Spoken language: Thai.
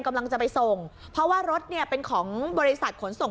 กำลังจะไปส่งเพราะว่ารถเนี่ยเป็นของบริษัทขนส่ง